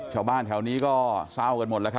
ชาวบ้านแถวนี้ก็เศร้ากันหมดแล้วครับ